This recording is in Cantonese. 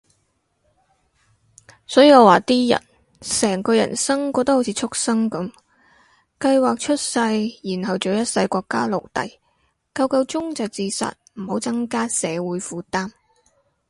所以我話啲人成個人生過得好似畜牲噉，計劃出世，然後做一世國家奴隸，夠夠鐘就自殺，唔好增加社會負擔